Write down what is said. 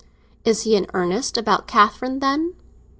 "Is he in earnest about Catherine, then?"